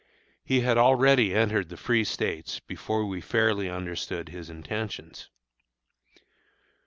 He had already entered the Free States before we fairly understood his intentions.